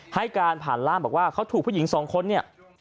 ให้การผ่านร่ามบอกว่าเขาถูกผู้หญิงสองคนเนี่ย